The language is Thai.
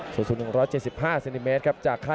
สูง๑๗๕เซนติเมตรครับ